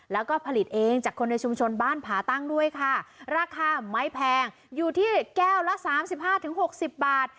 แล้วก็ผลิตเองจากคนในชุมชนบ้านผาตั้งด้วยค่ะราคาไม่แพงอยู่ที่แก้วละสามสิบห้าถึงหกสิบบาท